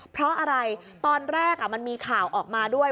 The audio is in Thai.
เพราะอะไรตอนแรกมันมีข่าวออกมาด้วย